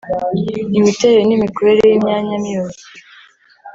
imiterere n’imikorere y’imyanya myibarukiro